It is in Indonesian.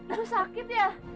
ibu sakit ya